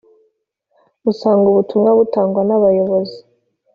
usanga ubutumwa butangwa n abayobozi